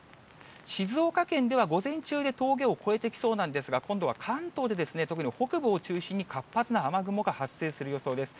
静岡県では午前中で峠を越えてきそうなんですが、今度は関東で、とくに北部を中心に活発な雨雲が発生する予想です。